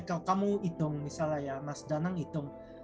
kalau kamu hitung misalnya ya mas danang hitung